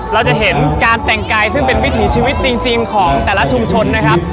เราจะเห็นการแต่งกายซึ่งเป็นวิถีชีวิตจริงของแต่ละชุมชนนะครับ